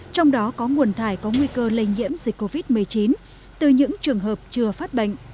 trong đó có nguồn thải có nguy cơ lây nhiễm dịch covid một mươi chín từ những trường hợp chưa phát bệnh